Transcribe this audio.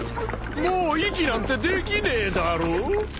もう息なんてできねえだろ？